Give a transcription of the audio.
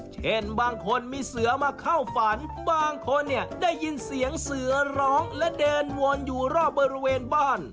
เช่นบางคนมีเสือมาเข้าฝันบางคนเนี่ยได้ยินเสียงเสือร้องและเดินวนอยู่รอบบริเวณบ้าน